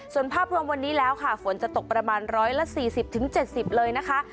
ส่วนภาพรวมวันนี้แล้วค่ะฝนจะตกประมาณ๑๔๐๗๐เลยนะคะ